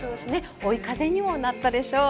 追い風にもなったでしょう。